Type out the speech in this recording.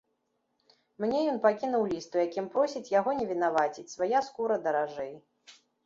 Мне ён пакінуў ліст, у якім просіць яго не вінаваціць, свая скура даражэй.